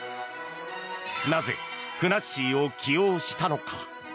なぜふなっしーを起用したのか。